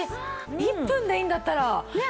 １分でいいんだったらやります。